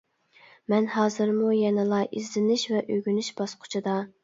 مەن ھازىرمۇ يەنىلا ئىزدىنىش ۋە ئۆگىنىش باسقۇچىدا.